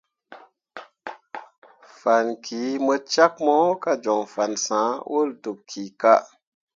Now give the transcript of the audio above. Fan ki mo cak mo ka joŋ fan sãh wol dǝb kika.